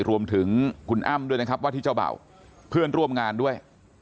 รวมถึงคุณอ้ำด้วยนะครับว่าที่เจ้าเบ่าเพื่อนร่วมงานด้วย